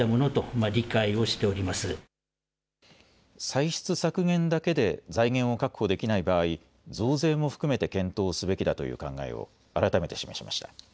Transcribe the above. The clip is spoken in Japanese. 歳出削減だけで財源を確保できない場合増税も含めて検討すべきだという考えを改めて示しました。